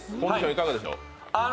いかがでしょう。